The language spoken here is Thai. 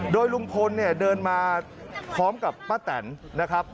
โดยลุงพลเนี่ยเดินมาพร้อมกับป้าแตนนะครับ